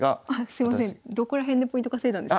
すいませんどこら辺でポイント稼いだんですか？